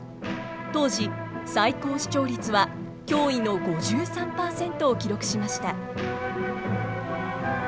当時最高視聴率は驚異の５３％を記録しました。